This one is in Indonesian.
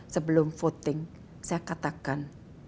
sebelum voting saya katakan